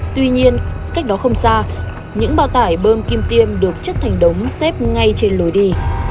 tuy nhiên cách đó không xa những bao tải bơm kim tiêm được chất thành đống xếp ngay trên lối đi